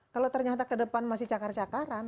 kalau ternyata kedepan masih cakar cakaran